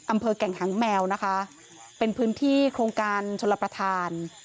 แก่งหางแมวนะคะเป็นพื้นที่โครงการชนรับประทาน